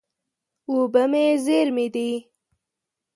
اوبه زېرمې دي.